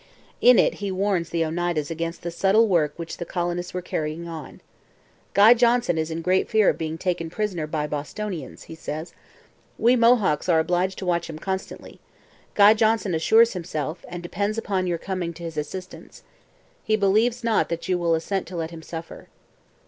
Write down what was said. In it he warns the Oneidas against the subtle work which the colonists were carrying on. 'Guy Johnson is in great fear of being taken prisoner by the Bostonians,' he says. 'We Mohawks are obliged to watch him constantly. Guy Johnson assures himself, and depends upon your coming to his assistance... He believes not that you will assent to let him suffer.'